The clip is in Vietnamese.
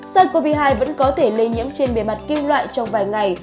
sars cov hai vẫn có thể lây nhiễm trên bề mặt kim loại trong vài ngày